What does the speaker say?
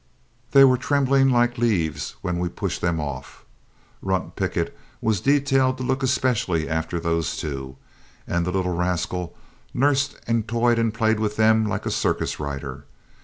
They were trembling like leaves when we pushed them off. Runt Pickett was detailed to look especially after those two, and the little rascal nursed and toyed and played with them like a circus rider.